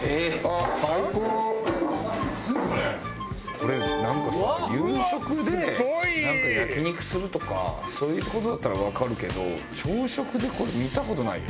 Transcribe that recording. これなんかさ夕食で焼き肉するとかそういう事だったらわかるけど朝食でこれ見た事ないよ。